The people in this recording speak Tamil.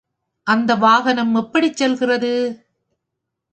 அந்த வாகனம் எப்படிச் செல்கிறது.